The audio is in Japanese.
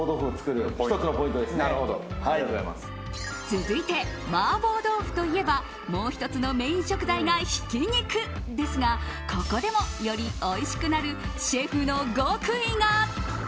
続いて、麻婆豆腐といえばもう１つのメインの食材がひき肉ですが、ここでもよりおいしくなるシェフの極意が。